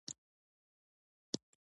• تور انګور زیاتره تروش خوند لري.